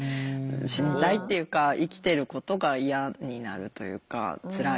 死にたいっていうか生きてることが嫌になるというかつらい。